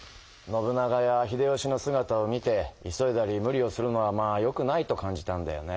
信長や秀吉のすがたを見て急いだり無理をするのはまあよくないと感じたんだよね。